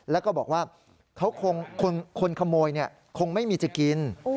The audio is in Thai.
แล้วก็บอกว่าคนขโมยคงไม่มีจะกิน